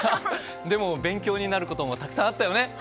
でも、勉強になることもたくさんあったよね。